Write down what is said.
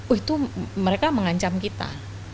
wih tuh mereka mengancam kita